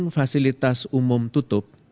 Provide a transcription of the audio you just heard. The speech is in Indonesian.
dengan fasilitas umum tutup